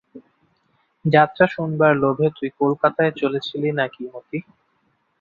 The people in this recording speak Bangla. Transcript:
যাত্রা শুনবার লোভে তুই কলকাতায় চলেছিল নাকি মতি?